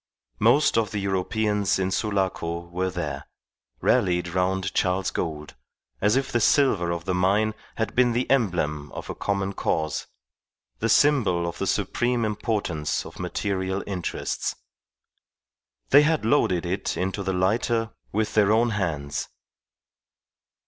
Most of the Europeans in Sulaco were there, rallied round Charles Gould, as if the silver of the mine had been the emblem of a common cause, the symbol of the supreme importance of material interests. They had loaded it into the lighter with their own hands.